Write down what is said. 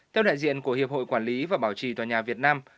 theo đại diện của hiệp hội quản lý và bảo trì tòa nhà việt nam